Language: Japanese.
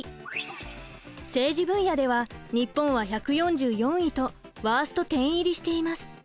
政治分野では日本は１４４位とワースト１０入りしています。